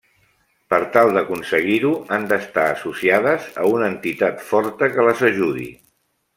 Per tal d'aconseguir-ho, han d'estar associades a una entitat forta que les ajudi.